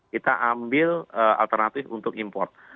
kita ambil alternatif untuk import